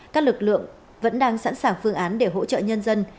các lực lượng vẫn đang sẵn sàng phương án để hỗ trợ nhân dân